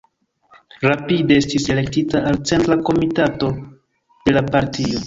Rapide estis elektita al centra komitato de la partio.